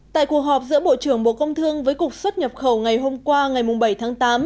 tại cuộc họp giữa bộ trưởng bộ công thương với cục xuất nhập khẩu ngày hôm qua ngày bảy tháng tám